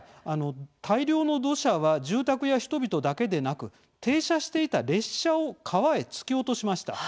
大量の土砂は住宅や人々だけでなく停車していた列車を川へ突き落としました。